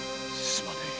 すまねぇ。